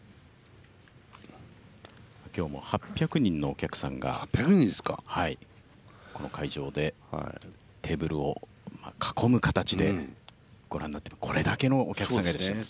今日も８００人のお客さんがこの会場でテーブルを囲む形でご覧になって、これだけのお客さんがいらっしゃいます。